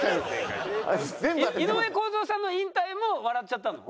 井上公造さんの引退も笑っちゃったの？